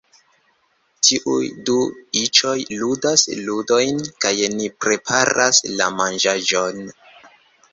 Tiuj du iĉoj ludas ludojn kaj ni preparas la manĝaĵon